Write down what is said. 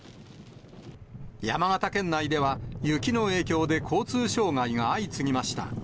山形県内では、雪の影響で交通障害が相次ぎました。